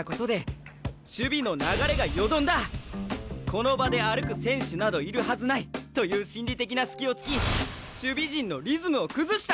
この場で歩く選手などいるはずないという心理的な隙をつき守備陣のリズムを崩した。